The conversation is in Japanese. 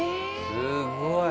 すごい！